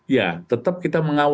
ya tetap kita mengambil